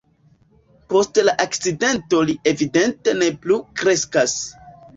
Post la akcidento li evidente ne plu kreskas.